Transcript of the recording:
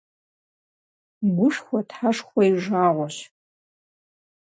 Гушхуэ тхьэшхуэ и жагъуэщ.